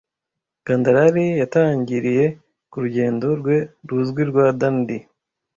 Gandarari yatangiriye ku rugendo rwe ruzwi rwa Dandi